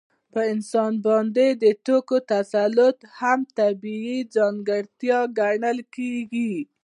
په انسان باندې د توکو تسلط هم طبیعي ځانګړتیا ګڼل کېږي